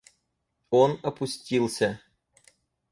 Он опустился.